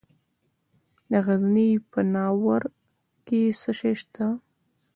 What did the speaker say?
د غزني په ناوور کې څه شی شته؟